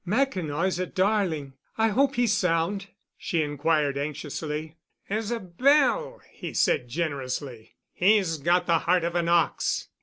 "Mackinaw is a darling. I hope he's sound?" she inquired anxiously. "As a bell," he said generously. "He's got the heart of an ox.